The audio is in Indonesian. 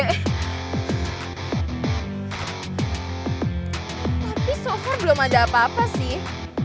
tapi so far belum ada apa apa sih